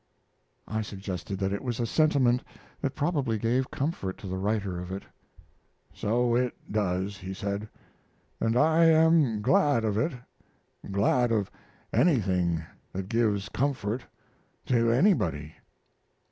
I suggested that it was a sentiment that probably gave comfort to the writer of it. "So it does," he said, "and I am glad of it glad of anything that gives comfort to anybody."